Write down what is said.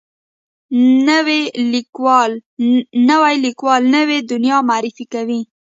نوی لیکوال نوې دنیا معرفي کوي